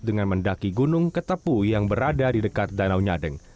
dengan mendaki gunung ketepu yang berada di dekat danau nyadeng